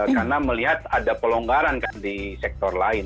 karena melihat ada pelonggaran di sektor lain